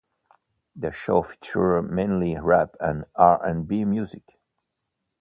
The show featured mainly rap and R and B Music.